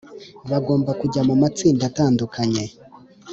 bagomba kujya mu matsinda atandukanye